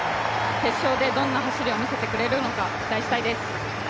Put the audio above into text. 決勝でどんな走りをみせてくれるのか、期待したいです